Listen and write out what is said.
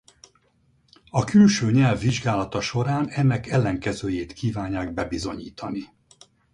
A külső nyelv vizsgálata során ennek ellenkezőjét kívánják bebizonyítani.